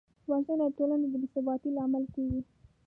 وژنه د ټولنې د بېثباتۍ لامل کېږي